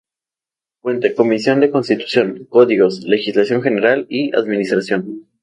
Fuente: Comisión de Constitución, Códigos, Legislación General y Administración.